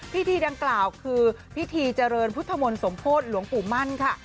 พิธีดังกล่าวคือพิธีเจริญพุทธมนต์สมโพธิหลวงปู่มั่นค่ะ